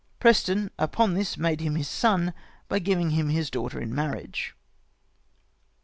Preston upon this made Him his Son, by giving him his Daughter in Marriage *...."